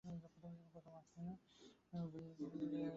এতে হয়তো উত্তর কোরিয়ান কর্মীরা জড়িত, তারা অভ্যুত্থান শুরু করতে চায়।